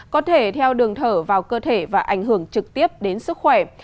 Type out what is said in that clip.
có thể theo đường thở vào cơ thể và ảnh hưởng trực tiếp đến sức khỏe